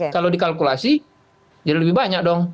kalau dikalkulasi jadi lebih banyak dong